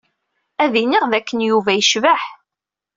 Ad iniɣ d akken Yuba yecbeḥ.